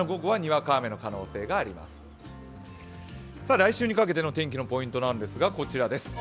来週にかけての天気のポイント、こちらです。